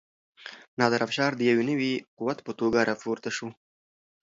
نادر افشار د یو نوي قوت په توګه راپورته شو.